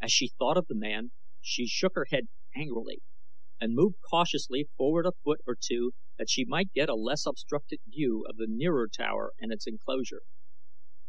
As she thought of the man she shook her head angrily, and moved cautiously forward a foot or two that she might get a less obstructed view of the nearer tower and its enclosure.